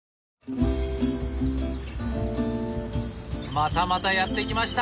またまたやって来ました！